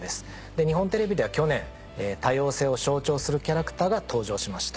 日本テレビでは去年多様性を象徴するキャラクターが登場しました。